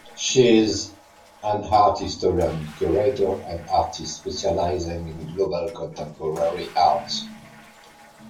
She is an art historian, curator, and artist specializing in global contemporary art.